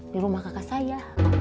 di rumah kakak saya